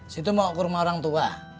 situ mau ke rumah orang tua